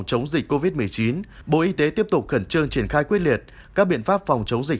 chống dịch covid một mươi chín bộ y tế tiếp tục khẩn trương triển khai quyết liệt các biện pháp phòng chống dịch